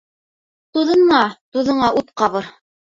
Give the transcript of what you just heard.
Туҙынма, туҙыңа ут ҡабыр.